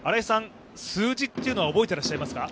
数字というのは覚えていらっしゃいますか？